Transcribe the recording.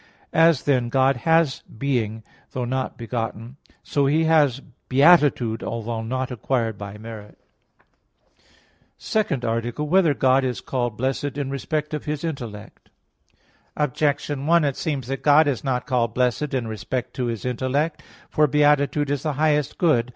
As, then, God has being, though not begotten; so He has beatitude, although not acquired by merit. _______________________ SECOND ARTICLE [I, Q. 26, Art. 2] Whether God Is Called Blessed in Respect of His Intellect? Objection 1: It seems that God is not called blessed in respect to His intellect. For beatitude is the highest good.